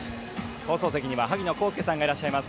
放送席には萩野公介さんがいらっしゃいます。